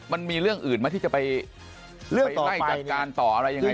มันมีเรื่องอื่นไหมที่จะไปเลือกต่อไปไปไล่จัดการต่ออะไรยังไงต่อ